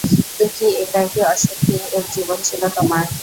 দুঃখী, একাকী, অসুখী এক জীবন ছিল তোমার।